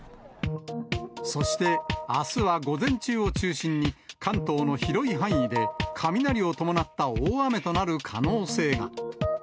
そしてあすは午前中を中心に、関東の広い範囲で雷を伴った大雨となる可能性が。